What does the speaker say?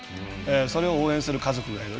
それを応援する家族がいる。